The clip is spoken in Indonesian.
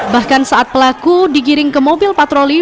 bahkan saat pelaku digiring ke mobil patroli